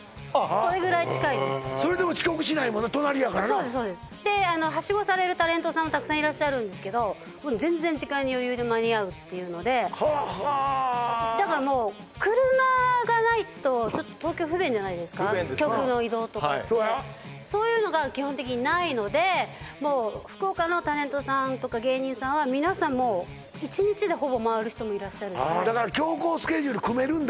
それぐらい近いですそれでも遅刻しないもんな隣やからなであのハシゴされるタレントさんたくさんいらっしゃるんですけど全然時間に余裕で間に合うっていうのでははだからもう車がないとちょっと東京不便じゃないですか局の移動とかってそういうのが基本的にないのでもう福岡のタレントさんとか芸人さんは皆さんもう１日でほぼ回る人もいるしああだから強行スケジュール組めるんだ